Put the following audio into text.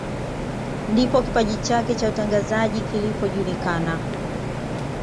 Ndipo kipaji chake cha utangazaji kilipojulikana